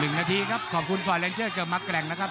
๑นาทีครับขอบคุณฟอยเล็งเจอร์เกิดมาแกร่งนะครับ